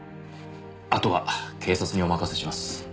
あとは警察にお任せします。